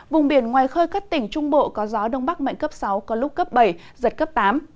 vùng biển ngoài khơi các tỉnh trung bộ có gió đông bắc mạnh cấp sáu có lúc cấp bảy giật cấp tám